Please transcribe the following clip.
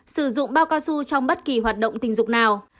sử dụng bao cao su trong bất kỳ hoạt động tình dục nào